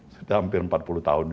sudah hampir empat puluh tahun